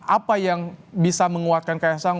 apa yang bisa menguatkan ksang